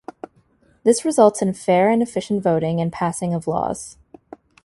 This results in fair and efficient voting and passing of laws.